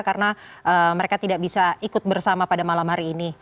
karena mereka tidak bisa ikut bersama pada malam hari ini